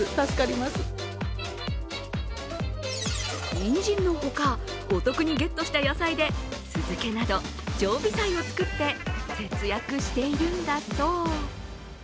にんじんのほか、お得にゲットした野菜で酢漬けなど、常備菜を作って節約しているんだそう。